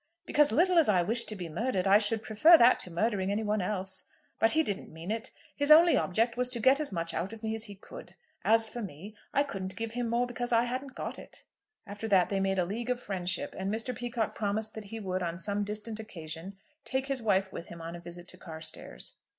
"Because little as I wish to be murdered, I should prefer that to murdering any one else. But he didn't mean it. His only object was to get as much out of me as he could. As for me, I couldn't give him more because I hadn't got it." After that they made a league of friendship, and Mr. Peacocke promised that he would, on some distant occasion, take his wife with him on a visit to Carstairs.